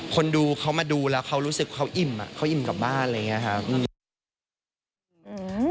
คนดูเขามาดูแล้วเขารู้สึกเขาอิ่มเขาอิ่มกับบ้านอะไรอย่างนี้ครับ